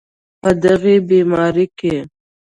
په دغې بیمارۍ کې